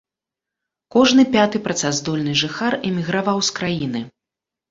Кожны пяты працаздольны жыхар эміграваў з краіны.